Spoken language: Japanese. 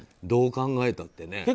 どう考えたってね。